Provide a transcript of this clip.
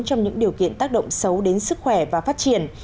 trong những điều kiện tác động xấu đến sức khỏe và phát triển